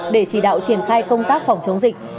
để chỉ đạo triển khai công tác phòng chống dịch